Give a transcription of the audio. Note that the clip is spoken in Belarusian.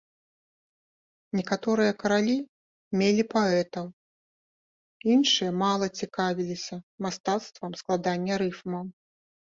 Некаторыя каралі мелі паэтаў, іншыя мала цікавіліся мастацтвам складання рыфмаў.